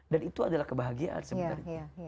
dan itu adalah kebahagiaan sebenarnya